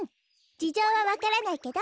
じじょうはわからないけど。